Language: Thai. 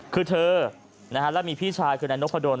คือเธอและมีพี่ชายคือนายนพดล